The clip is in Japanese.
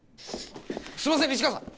すいません西川さん。